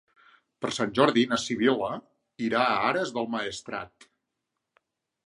Per Sant Jordi na Sibil·la irà a Ares del Maestrat.